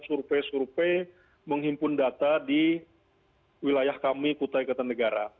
survei survei menghimpun data di wilayah kami kutai kartanegara